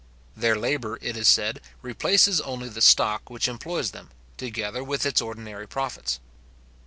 Their labour, it is said, replaces only the stock which employs them, together with its ordinary profits.